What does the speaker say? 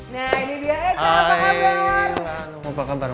nah ini dia eka apa kabar